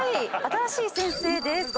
新しい先生です。